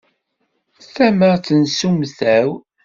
Tama n tsumta-w.